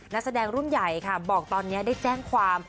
นักแสดงรุ่นใหญ่ค่ะบอกตอนนี้ได้แจ้งความ